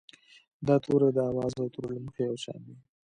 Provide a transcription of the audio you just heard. دا توري د آواز او تورو له مخې یو شان وي.